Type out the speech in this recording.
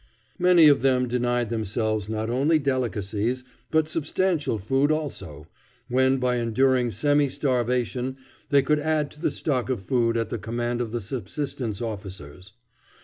Many of them denied themselves not only delicacies, but substantial food also, when by enduring semi starvation they could add to the stock of food at the command of the subsistence officers.